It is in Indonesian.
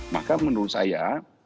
maka menurut saya